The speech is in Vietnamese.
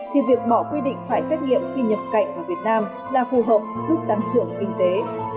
thì việc bỏ quy định phải xét nghiệm khi nhập cảnh vào việt nam là phù hợp giúp tăng trưởng kinh tế